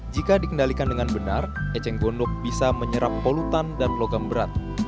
jika dikendalikan dengan benar eceng gondok bisa menyerap polutan dan logam berat